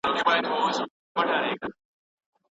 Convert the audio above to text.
دوی به د غوښتنو د کنټرول لپاره په خپل زړه باندي پوره واک درلود.